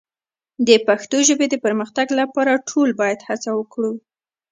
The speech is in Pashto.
د پښتو ژبې د پرمختګ لپاره ټول باید هڅه وکړو.